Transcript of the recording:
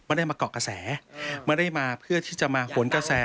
ได้มาเกาะกระแสไม่ได้มาเพื่อที่จะมาหนกระแส